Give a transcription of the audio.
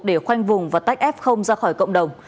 để khoanh vùng và tách f ra khỏi cộng đồng